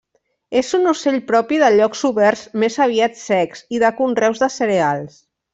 És un ocell propi de llocs oberts més aviat secs i de conreus de cereals.